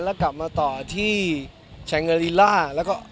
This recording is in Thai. และกลับมาต่อที่แชงเกอริลล่า